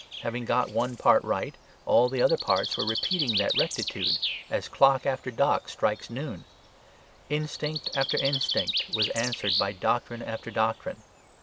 Having got one part right, all the other parts were repeating that rectitude, as clock after clock strikes noon. Instinct after instinct was answered by doctrine after doctrine.